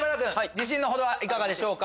自信の程はいかがでしょうか？